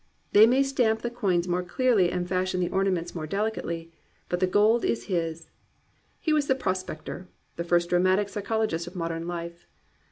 They may stamp the coins more clearly and fashion the ornaments more dehcately. But the gold is his. He was the prospector, — the first dramatic psychologist of modern life.